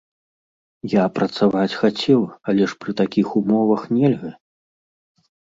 Я працаваць хацеў, але ж пры такіх умовах нельга.